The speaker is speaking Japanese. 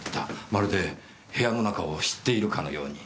まるで部屋の中を知っているかのように。